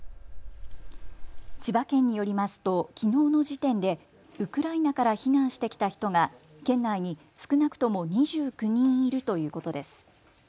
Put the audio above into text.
千葉県によりますときのうの時点でウクライナから避難してきた人が県内に少なくとも２９人いるということです。